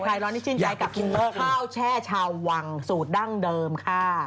ร้อนที่ชื่นใจกับข้าวแช่ชาววังสูตรดั้งเดิมค่ะ